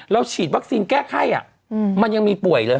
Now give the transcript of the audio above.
ฉีดวัคซีนแก้ไข้มันยังมีป่วยเลย